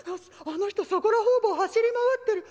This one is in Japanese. あの人そこら方々走り回ってる。